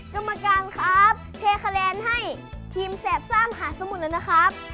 กรรมการครับเทคะแนนให้ทีมแสบซ่ามหาสมุทรแล้วนะครับ